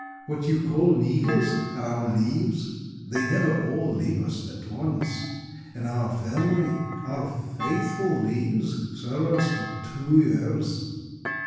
What you call needles are our leaves. They never all leave us at once. In our family our faithful leaves serve us for two years.